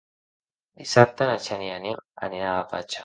Dissabte na Xènia i en Nil aniran a la platja.